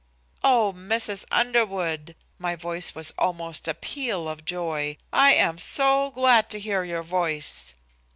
"Oh, Mrs. Underwood!" My voice was almost a peal of joy. "I am so glad to hear your voice."